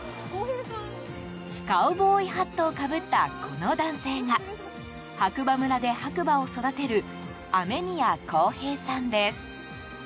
カウボーイハットをかぶったこの男性が白馬村で白馬を育てる雨宮康平さんです。